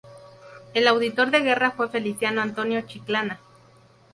El auditor de guerra fue Feliciano Antonio Chiclana.